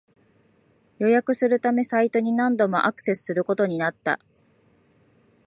予約するためサイトに何度もアクセスすることになった